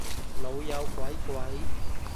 老友鬼鬼